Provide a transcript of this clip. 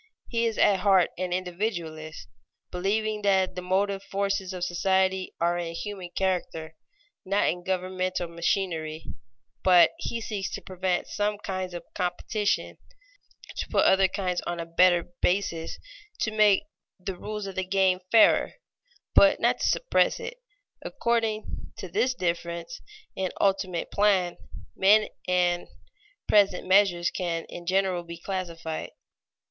He is at heart an individualist, believing that the motive forces of society are in human character, not in governmental machinery; but he seeks to prevent some kinds of competition, to put other kinds on a better basis; "to make the rules of the game fairer," but not to suppress it. According to this difference in ultimate plan, men and present measures can in general be classified.